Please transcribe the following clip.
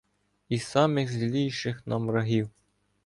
І самих злійших нам врагів.